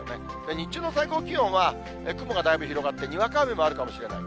日中の最高気温は雲がだいぶ広がって、にわか雨もあるかもしれない。